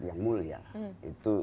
yang mulia itu